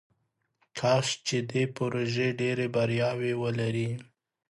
کاش چې دې پروژې ډیرې بریاوې ولري.